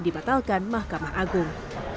dipatalkan mahkamah agung